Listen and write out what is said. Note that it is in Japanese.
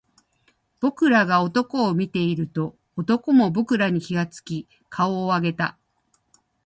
僕らが男を見ていると、男も僕らに気付き顔を上げた